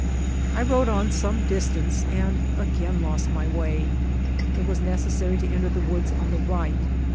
I rode on some distance, and again lost my way. It was necessary to enter the woods on the right.